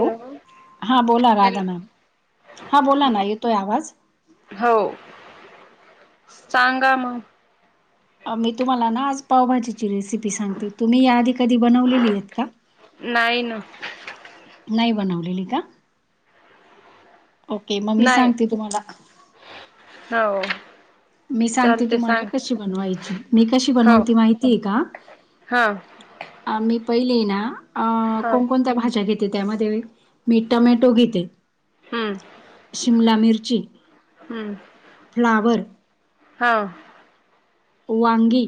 Hello हा बोला hello Radha ma'am हा बोला ना येतोय आवाज हो सांगा मग आम्ही तुम्हाला ना आज पावभाजीची रेसिपी सांगते तुम्ही याआधी कधी बनवलेली आहात का? नाही ना नाही बनवलेली का? ओके... मग मी नाही सांगते तुम्हाला हो. मी सांगते चालते तुम्हाला सांग कशी बनवायची... मी कशी हो बनवते माहितीय का? हा. अं... मी पहिले ना... अ... हा कोणकोणत्या भाज्या घेते त्यामध्ये. मी टमॅटो घेते. हू. शिमला मिर्ची हम्म. फ्लॉवरं हां. वांगी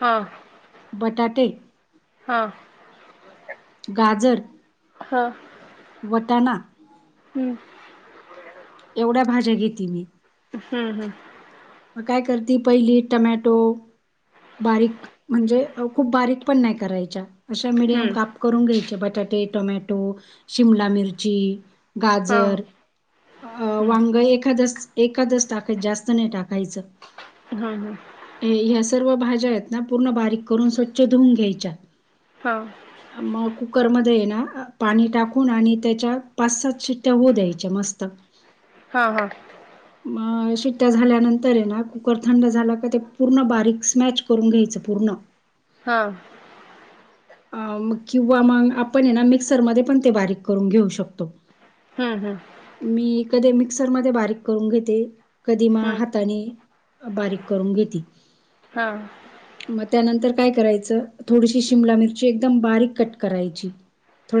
हा. बटाटे हा. गाजर हा. वटाणा हूं. एवढ्या भाज्या घेते मी. हूं हूं. मगं कायं करती... पहिली टोमॅटो बारीक... म्हणजे खूपं बारीक... पणं नाई करायच्या अशा... मिडियम हम्म काप करून घ्यायचे... बटाटे, टोमॅटो, शिमला मिरची हा गाजर... अं.... हम्म वांग एखादचं... एखादंच टाकाय... जास्त नाई टाका कायचं हाहा. ह्या सर्व भाज्या हेत ना... पूर्ण बारीक करून.. स्वच्छ धुवून घ्यायच्या हां. मग कुकरमध्ये हेना पाणी टाकून आणि त्याच्यात पाच-सात शिट्ट्या होऊ द्यायच्या... मस्तं! हा हा. मग शिट्ट्या झाल्यानंतर ए ना... कुकर थंड झाला का ते पूर्ण बारीक... स्मॅच करून घ्यायचं पूर्ण. हां. अ.... मं.... किंवा मग आपण हे ना मिक्सरमध्ये पण ते बारीक करून घेऊ शकतो हूं हूं. मी कधी मिक्सरमध्ये बारीक करून घेते... कधी मग हम्म हाताने बारीकं करून घेते हा. मग त्यानंतर काय करायचं... थोडीशी शिमला मिरची एकदम बारीक कट करायची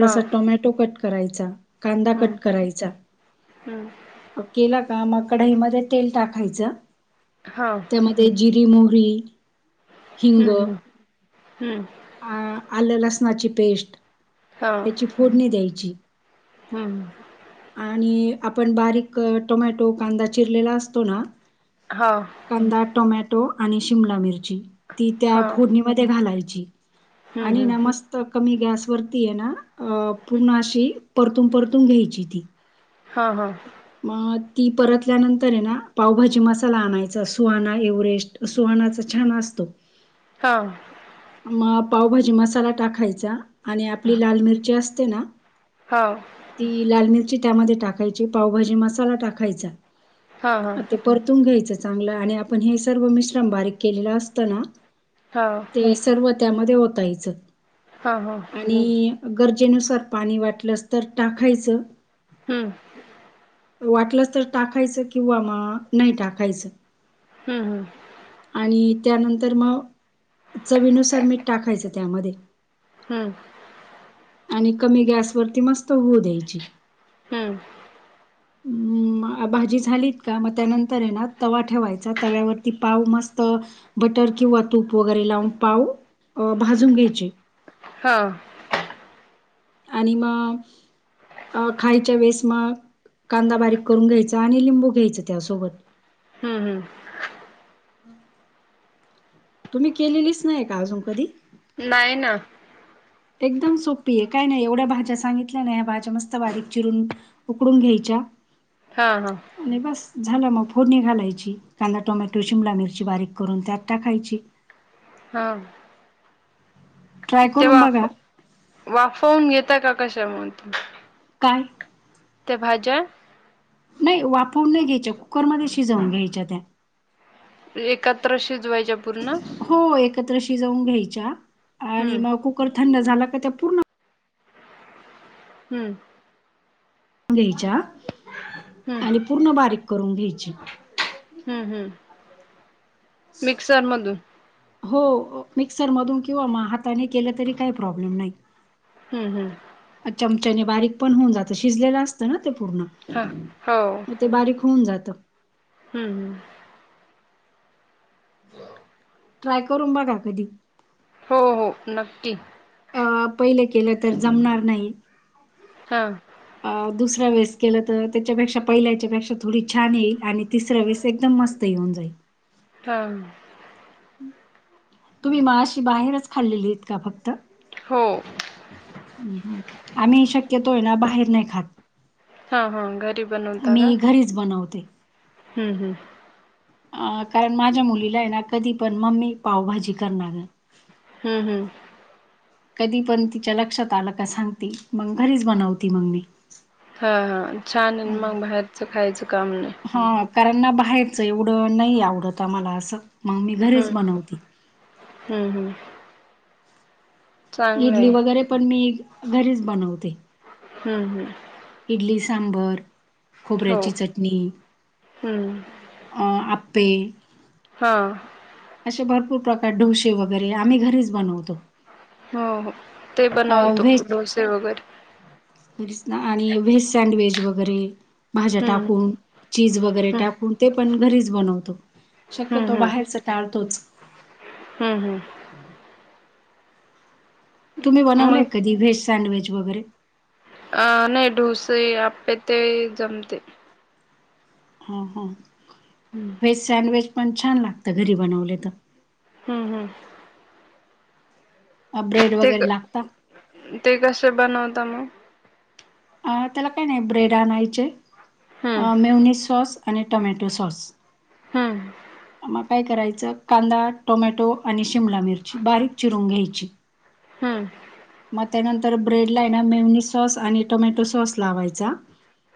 हा टोमॅटो कट करायचा... कांदा हम्म कट करायचा हम्म केला का... मग कढाईमध्ये तेल टाकायचं हां. मग ते... जिरी-मोहरी... हिंग... हम्म हम्म आ आलं लसणाची पेस्टं... हा ह्याची फोडणी द्यायची हम्म आणि... आपण बारीक टोमॅटो, कांदा चिरलेला असतो ना हाव कांदा, टोमॅटो, आणि शिंमला मिरची, ती त्या हा फोडणीमध्ये घालायची हम्म आणि हम्म ना तर कमी गॅसवरती आहे नां पूर्ण अशी परतून, परतून घ्यायची ती हा, हा मगं ती परतल्यानंतर आहे नां पावभाजी मसालां आणायचा सुहाना एव्हरेस्टं सुहानाचा छान असतो हा मगं पावभाजी मसाला टाकायचां आणि आपली हा लालं मिरची असते ना हा ती लालं मिरची त्यामध्ये टाकायची पावभाजी मसाला हा हा टाकायचा परतून घ्यायचं चांगलं आणि आपणं हे सर्व मिश्रण बारीक केलेला असत ना हाव ते सर्व त्यामंध्ये ओतायच हा, हा आणि गरजेनुसार पाणी वाटलंच तर टाकायचं हम्म वाटलंच तर टाकायच किंवा म नाही टाकायच हम, हम आणि त्यानंतर मग चवीनुसार मीठ टाकायचं त्यामध्ये हम आणि कमी गॅस वरती मस्त होऊ द्यायची हम्म हम्म भाजी झालीत का मग त्यानंतर ये ना तवा ठेवायचा तव्यावरती पाव मस्त बटर किंवा तूप वगैरे लावून पाव अ भाजून घ्यायचे ह आणि म अ खायच्या वेळेस मग कांदा बारीक करून घ्यायचा आणि लिंबू घ्यायचं त्यासोबत हम्म, हम्म तुम्ही केलेलीच नाही का अजून कधी नाही ना एकदम सोपी आहे काय नाही एवढ्या भाज्या सांगितल्या नाही ह्या भाज्या मस्त बारीक चिरून उकडून घ्यायच्या हा, हा आणि बस झालं मग फोडणी घालायची कांदा, टोमॅटो, शिमला मिरची बारीक करून त्यात टाकायची ह ट्राय ते करून वाफ, बघा वाफवून घेता का कशा म तुम्ही काय त्या भाज्या नाही वाफवून नाही घ्यायच्या कुकरमध्ये शिजवून घ्यायच्या त्या एकत्र शिजवायच्या पूर्ण हो एकत्र शिजवून घ्यायच्या आणि हम्म मग कुकर थंड झाला का त्या पूर्ण हम्म घ्यायच्या. हम्म आणि पूर्ण बारीक करून घ्यायची. हम्म, हम्म, मिक्सर मधून. हो मिक्सर मधून किंवा हाताने केलं तरी काही प्रॉब्लेम नाही. हम् हम्. च्यमच्यानी बारीक पण होऊन जातं, शिजलेलं असतं ना ते पूर्ण. हां हो. मग ते बारीक होऊन जातं. हम्म. हो [inaudible] ट्राय करून बगाव कधी. हो, हो, नक्की. अ, पहिले केलं तर जमणार नाही. हां. अ दुसरा वेळेस केलं तर त्याच्यापेक्षा पहिल्याच्यापेक्षा थोडी छान येईल, आणि तिसऱ्या वेस एकदम मस् ते होऊन जाई. हां. तुम्ही माशी बाहेरच खाल्लेली इत का फक्त? हो. आम्ही शक्यतो आहे ना बाहेर नाही खात. हां हा गरीब मी घरीच बनवते. हम्म हम्. अ कारण माझ्या मुलीला आहे ना, कधी पण मम्मी पावभाजी करनार. हम्म हम्म. कधी पण तिच्या लक्षात आलं का सांगती, मंग घरीच बनवती मंग मी. हा, हा, छान मग बाहेरचं खायचं काम नाही. कारणना बाहेरचं एवढं नाही आवडत आमाला असं मग मी घरीच हम्म बनवते. हम्म, हम्म. चांगलं इडली आहे वगैरे पण मी घरीच बनवते. हम् हम्म. इडली सांबर, हो खोबऱ्याची चटणी. हम्म अ आप्पे. हां. आशे भरपूर प्रकार ढोसेे वगैरे आम्ही घरीच बनवतो. हां, हं ते अ बनवतो डोसे वगैरे. रीच ना आणि व्हेज सँडवेज वगैरे भाज्या हम्म टाकून. चीज वगैरे हम्म टाकून ते पण घरीच बनवतो. शक्यतो हम्म बाहेरच टाळतोच. हां, हम्म. तुम्ही बनवलंय मग कधी व्हेज सँडविच वगैरे? अ नाही डोसे आपे ते जमते. हम, हम. हम्म [inaudible] व्हेज सँडविच पण छान लागतं घरी बनवले त हम्म, हम्म. अ ब्रेड ते वगैरे क लागता ते कसे बनवता मग. अ त्याला काय नाही ब्रेड आणायचे हम्म मेवनी सॉस आणि टमॅटो सॉस. हम्म. मग काय करायचं कांदा टोमॅटो आणि शिमला मिरची बारीक चिरून घ्यायची. हम्म. मग त्यानंतर ब्रेड ला आहे ना मेवनी सॉस आणि टोमॅटो सॉस लावायचा.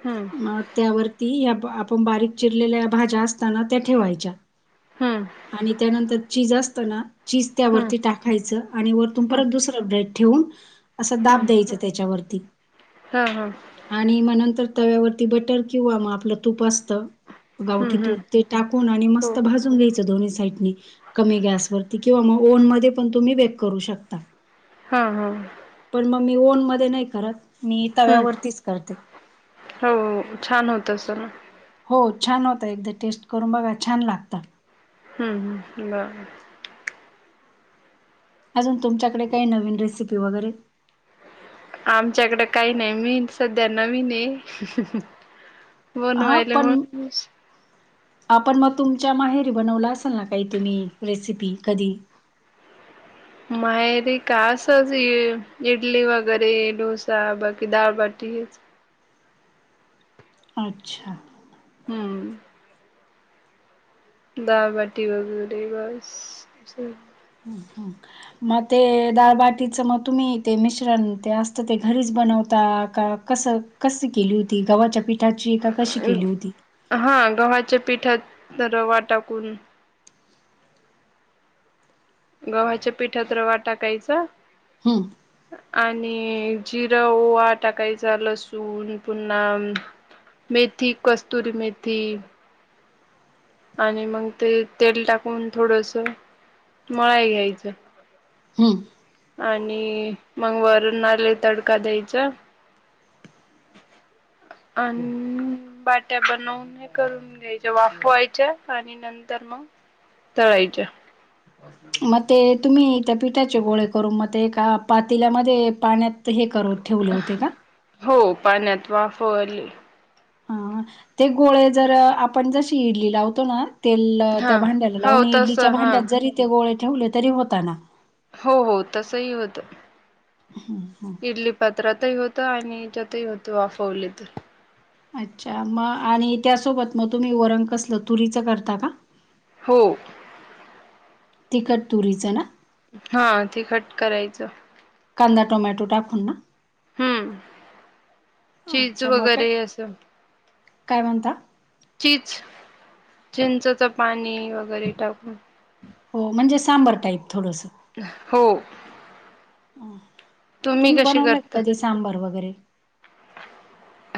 हम्म म त्यावरती आप आपण बारीक चिरलेल्या भाज्या असताना त्या ठेवायच्या. हम्म आणि त्यानंतर चीज असत ना चीज हम्म त्यावरती टाकायचं आणि वर तुम''--'' हम्म परत दुसरंप डेट ठेवून असा दाब द्यायचं त्याच्यावरती. हम हम. आणि मग नंतर तव्यावरती बटर किंवा मग आपलं तूप असत. गावठी हम्म तूप हम्म ते टाकून आणि हो मस्त भाजून घ्यायचं दोन्ही साईडनी. कमी गॅसवररती किंवा मग ओन मध्ये पण तुम्ही बेक करू शकता. हम हम. पण मग मी ओन मध्ये नाही करत मी हम्म तव्यावरतीच करते. हो छान होत अस ना. हो छान होता एकदा टेस्ट करून बघा छान लागतात. हम हम बर. अजून तुमच्याकडे काही नवीन रेसिपी वगैरे. आमच्याकडे काही नाही मीन सध्या नवीन आहे. हा बनवायला पण म्हणून आपण मग तुमच्या माहेरी बनवलं असेल ना काही तुम्ही रेसिपी कधी. मायरी का असच इडली वगैरे डोसा बाकी दाळबाटी. अच्छा. हम्म. दाळ बाटी वगैरे बसचे. ''हं'' हं '' मग ते दाळबाटीच मग तुम्ही ते मिश्रण ते असत ते घरीच बनवता का. कसं कस केली होती गव्हाच्या पिठाची ए का कशी केली होती. हा गव्हाच्या पिठात तरवा टाकून. गव्हाच्या पिठात रवा टाकायचं. हा, आणि जिरां ओवा टाकायचा लसून पुन्हा. मेथी कस्तुरी मेथी. आणि मग ते तेल टाकून थोडस मळाय घ्यायचं. हम्म. आणि मग वरना आले तडका द्यायचा. ह [inaudible] अन बाट्या बनवून. हे करून घ्यायच वाफवायच्या आणि नंतर मग. तळाईच्या. मग ते तुम्ही त्या पिठाचे गोळे करून मग ते एका पातीलामध्ये पाण्यात हे करू. ठेवले होते का. हो पाण्यात वाफले. हा ते गोळे जर आपण जशी इडली लावतो ना. तेल त्या हा भांड्याला हो लावून तस इडलीच्या हा भांड्यात जरी ते गोळे ठेवले तरी होताना. हो हो तसही होतं. इडली पत्रातही होत आणि याच्यातही होत वाफवले तर. अच्छा म आणि त्यासोबत मग तुम्ही वर कसलं तुरीचं करता का? हो. तिखट तुरीचं ना? हा तिखट करायचं. कांदा टमॅटो टाकून ना? हम्म चीज अच्छा मग काय वगैरे असं. काय म्हणता चीच चिंचच पाणी वगैरे टाकून. हो म्हणजे सांबर टाईप थोडंसं. हो. तुम्ही कशी बनवला का करता? कधी सांबार वगैरे?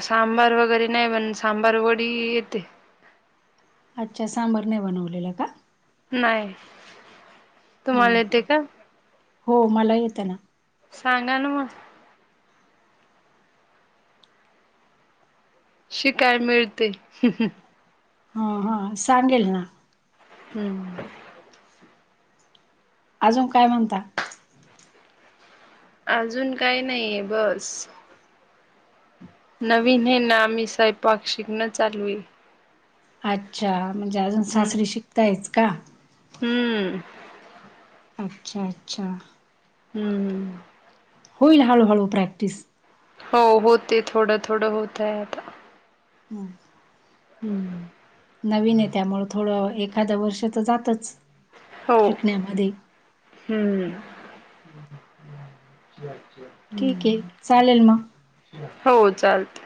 सांबार वगैरे नाय पण सांबार वडी येते. अच्छा सांबर नाय बनवलेलं का? नाय. हम् हो मला येत ना. सांगा ना म. शिकाय मिळते. हा हा सांगेल ना. हम्म. अजून काय म्हणता? अजून काय नाय बस. नवीन हे ना मी संपाक शिकण चालू ए. अच्छा म्हणजे अजून हम्म सासरी शिकतायच का? हम्म. अच्छा अच्छा. हम्म. होईल हळू हळू प्रॅक्टिस. हो होते थोडं थोडं होतय आता. हा. हम्म. नवीन ए त्यामुळं थोडं एखाद्या वर्ष तर जातच. हो शिकण्यामध्ये हम्. ठीक ए चालेल म. हो चालतय.